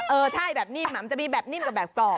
เออถ้าแบบนิ่มมันจะมีแบบนิ่มกับแบบกรอบ